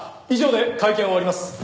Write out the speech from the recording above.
以上で会見を終わります。